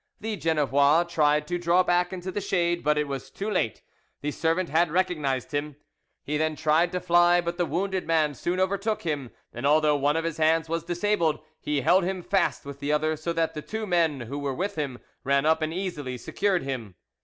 The Genevois tried to draw back into the shade, but it was too late: the servant had recognised him. He then tried to fly; but the wounded man soon overtook him, and although one of his hands was disabled, he held him fast with the other, so that the two men who were with him ran up and easily secured him.